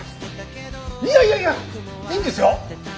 いやいやいやいいんですよ。